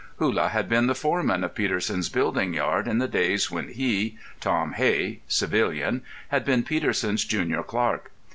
Hullah had been the foreman of Peterson's building yard in the days when he, Tom Hey, civilian, had been Peterson's junior clerk.